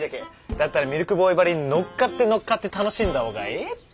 だったらミルクボーイばりにのっかってのっかって楽しんだ方がええって！